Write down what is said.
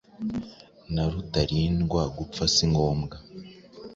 Na Rutalindwa gupfa si ngombwa